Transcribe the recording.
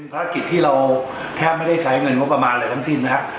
ภารกิจที่เราแทบไม่ได้ใช้เงินงบประมาณอะไรทั้งสิ้นนะฮะ